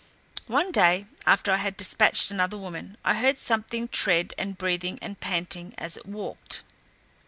One day after I had dispatched another woman, I heard something tread, and breathing or panting as it walked.